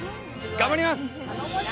頑張ります！